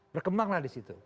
berkembanglah di situ